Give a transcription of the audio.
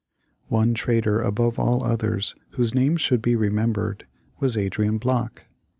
One trader above all others whose name should be remembered, was Adrian Block.